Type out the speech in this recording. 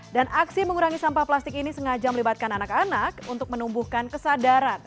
dan aksi mengurangi sampah plastik ini sengaja melibatkan anak anak untuk menumbuhkan kesadaran